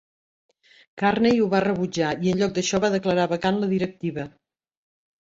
Carney ho va rebutjar i en lloc d'això va declarar vacant la directiva.